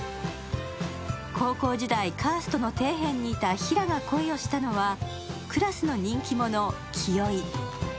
高校時代、カーストの底辺にいた平良が恋をしたのはクラスの人気者・清居。